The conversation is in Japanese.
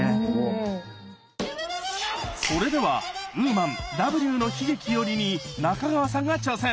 それでは「Ｗｏｍａｎ“Ｗの悲劇”より」に仲川さんが挑戦！